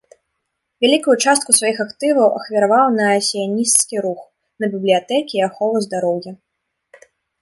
Вялікую частку сваіх актываў ахвяраваў на сіянісцкі рух, на бібліятэкі і ахову здароўя.